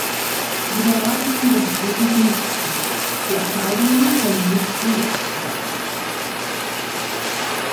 Die Beratungen der Jury sind nicht öffentlich, die Entscheidungen können nicht angefochten werden.